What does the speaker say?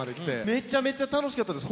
めちゃめちゃ楽しかったです。